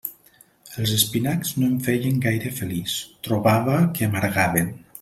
Els espinacs no em feien gaire feliç, trobava que amargaven.